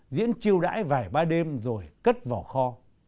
diễn chiêu đãi vài ba đêm rồi cất vào kho